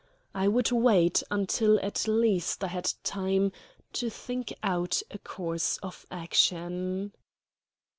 I would wait until at least I had time to think out a course of action.